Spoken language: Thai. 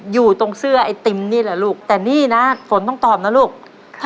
อยู่ตรงเสื้อไอติมนี่แหละลูกแต่นี่นะฝนต้องตอบนะลูก